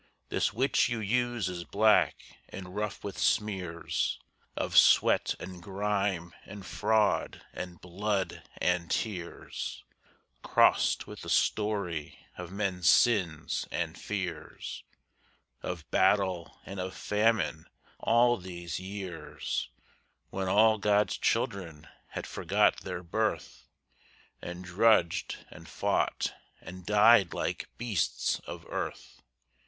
This which you use is black and rough with smears Of sweat and grime and fraud and blood and tears, Crossed with the story of men's sins and fears, Of battle and of famine all these years, When all God's children had forgot their birth, And drudged and fought and died like beasts of earth.